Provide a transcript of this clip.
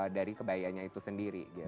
dari kebayanya itu sendiri